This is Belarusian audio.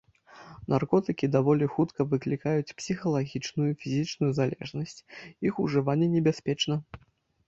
Наркотыкі даволі хутка выклікаюць псіхалагічную і фізічную залежнасць, іх ужыванне небяспечна.